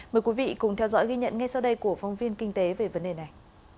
mời quý vị cùng theo dõi ghi nhận ngay sau đây của phong viên kinh tế về vấn đề này